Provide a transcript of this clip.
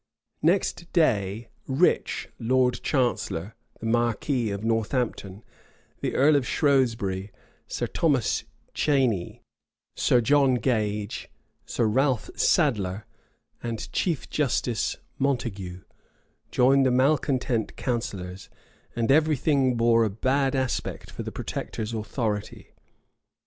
Next day, Rich, lord chancellor, the marquis of Northampton, the earl of Shrewsbury, Sir Thomas Cheney, Sir John Gage, Sir Ralph Sadler, and Chief Justice Montague, joined the malecontent counsellors; and every thing bore a bad aspect for the protector's authority.